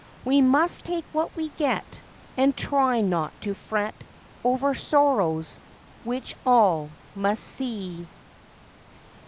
We must take what we get And try not to fret Over sorrows, which all must see.